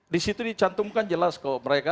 di situ dicantumkan jelas kok mereka